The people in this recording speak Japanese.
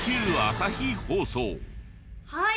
はい。